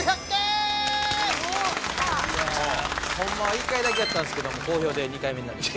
おっきたホンマは１回だけやったんですけど好評で２回目になりました